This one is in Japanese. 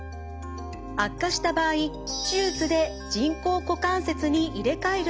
悪化した場合手術で人工股関節に入れ換えるケースも出てきます。